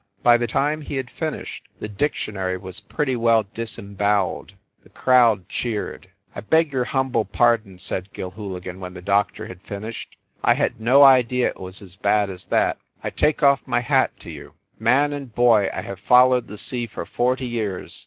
By the time he had finished the dictionary was pretty well disem boweled. The crowd cheered. "I beg your humble pardon," said Gilhooligan, when the doctor had finished. "I had no idea it was as bad as that. I take off my hat to you. Man and boy, I have followed the sea for forty years.